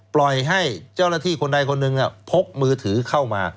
ปล่อยให้เจ้าหน้าที่คนใดคนหนึ่งพกมือถือเข้ามา